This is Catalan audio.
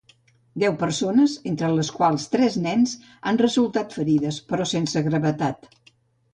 Deu persones, entre les quals tres nens, han resultat ferides, però sense gravetat.